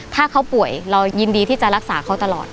ถ้าเขาป่วยเรายินดีที่จะรักษาเขาตลอด